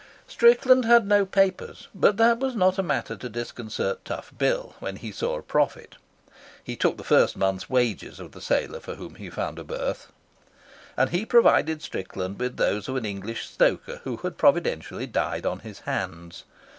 Strickland had no papers, but that was not a matter to disconcert Tough Bill when he saw a profit (he took the first month's wages of the sailor for whom he found a berth), and he provided Strickland with those of an English stoker who had providentially died on his hands.